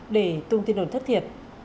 để tung tin đồn thất thiệt